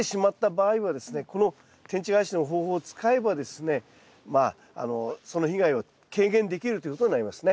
この天地返しの方法を使えばですねまあその被害は軽減できるということになりますね。